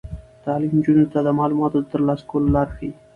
تعلیم نجونو ته د معلوماتو د ترلاسه کولو لار ښيي.